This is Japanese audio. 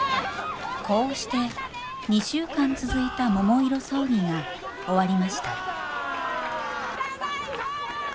こうして２週間続いた桃色争議が終わりましたただいま！